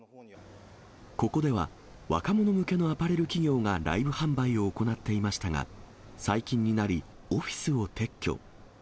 ここでは、若者向けのアパレル企業がライブ販売を行っていましたが、最近になり、オフィスを撤去。